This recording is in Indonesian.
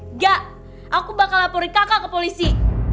enggak aku bakal laporin kakak ke polisi